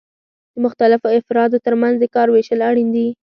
د مختلفو افرادو ترمنځ د کار ویشل اړین دي.